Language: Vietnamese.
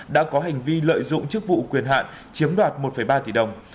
đã có hành vi lợi dụng chức vụ quyền hạn chiếm đoạt một ba tỷ đồng